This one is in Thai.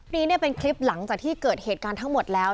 นี่เป็นคลิปหลังจากที่เกิดเหตุการณ์ทั้งหมดแล้ว